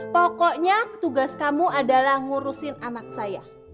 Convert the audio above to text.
pokoknya tugas kamu adalah ngurusin anak saya